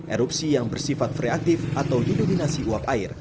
erupsi yang bersifat free aktif atau iluminasi uap air